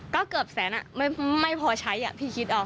ก็เกือบแสนไม่พอใช้พี่คิดออก